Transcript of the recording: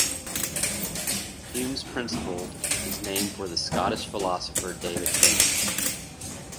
Hume's principle is named for the Scottish philosopher David Hume.